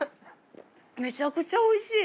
めちゃくちゃ美味しい。